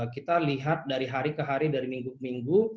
kita lihat dari hari ke hari dari minggu ke minggu